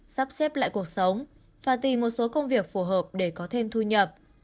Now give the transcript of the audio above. sắp xếp lại cuộc sống và tìm một số công việc phù hợp để có thêm thu nhập